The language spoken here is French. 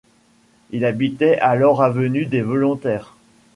Il habitait alors avenue des Volontaires.